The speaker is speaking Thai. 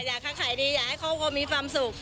อยากขาดขายดีอยากให้เขาก็มีความสุข